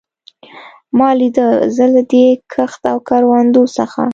ما لیده، زه له دې کښت او کروندو څخه.